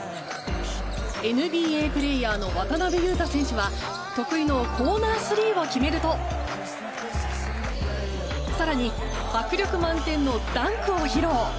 ＮＢＡプレーヤーの渡邊雄太選手は得意のコーナースリーを決めると更に迫力満点のダンクを披露。